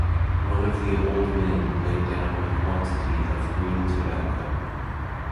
One of the old men laid down a quantity of green tobacco.